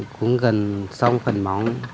cũng gần sông phần móng